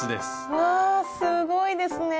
うわすごいですね！